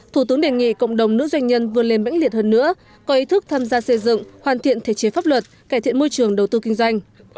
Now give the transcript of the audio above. thủ tướng đề nghị cộng đồng nữ doanh nhân vươn lên mạnh liệt hơn nữa có ý thức tham gia xây dựng hoàn thiện thể chế pháp luật cải thiện môi trường đầu tư kinh doanh